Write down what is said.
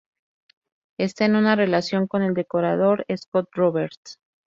Esta en una relación con el decorador Scott Roberts.